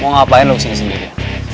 mau ngapain lo kesini sendiri